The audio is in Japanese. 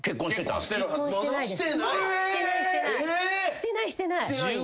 してないしてない。